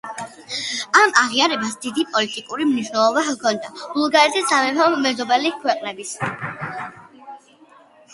ამ აღიარებას დიდი პოლიტიკური მნიშვნელობა ჰქონდა, ბულგარეთის სამეფომ მეზობელი ქვეყნების პატივისცემა დაიმსახურა.